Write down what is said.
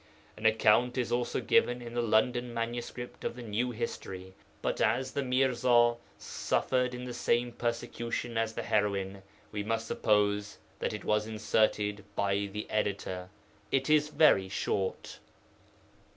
An account is also given in the London manuscript of the New History, but as the Mirza suffered in the same persecution as the heroine, we must suppose that it was inserted by the editor. It is very short.